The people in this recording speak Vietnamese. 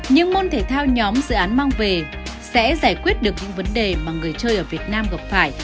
những môn thể thao nhóm dự án mang về sẽ giải quyết được những vấn đề mà người chơi ở việt nam gặp phải